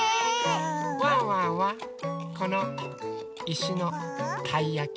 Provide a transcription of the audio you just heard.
ワンワンはこのいしのたいやき。